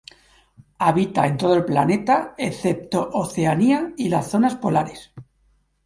Habita en todo el planeta, excepto Oceanía y las zonas polares.